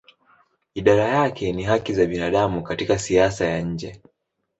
Idara yake ni haki za binadamu katika siasa ya nje.